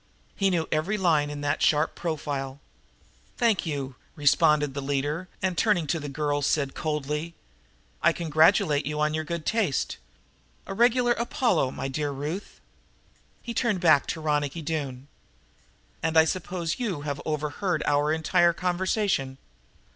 He knew every line in that sharp profile. "Thank you," responded the leader, and, turning to the girl, he said coldly: "I congratulate you on your good taste. A regular Apollo, my dear Ruth." He turned back to Ronicky Doone. "And I suppose you have overhead our entire conversation?"